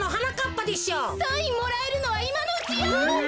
・サインもらえるのはいまのうちよ！